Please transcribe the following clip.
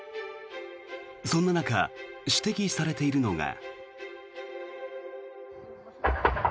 そんな中指摘されているのが。